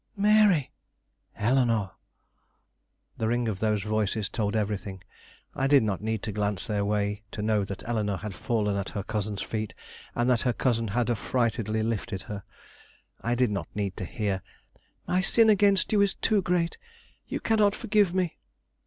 "Mary!" "Eleanore!" The ring of those voices told everything. I did not need to glance their way to know that Eleanore had fallen at her cousin's feet, and that her cousin had affrightedly lifted her. I did not need to hear: "My sin against you is too great; you cannot forgive me!"